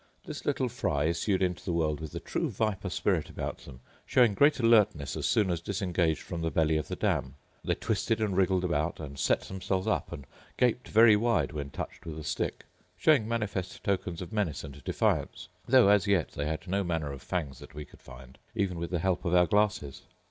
This little fry issued into the world with the true viper spirit about them, showing great alertness as soon as disengaged from the belly of the dam: they twisted and wriggled about, and set themselves up, and gaped very wide when touched with a stick, showing manifest tokens of menace and defiance, though as yet they had no manner of fangs that we could find, even with the help of our glasses.